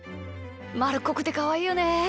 まるっこくてかわいいよね。